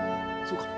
そうか。